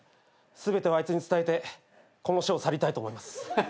全てをあいつに伝えてこの署を去りたいと思います。